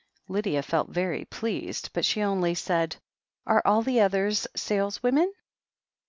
Lydia felt very pleased, but she only said : "Are all the others saleswomen?"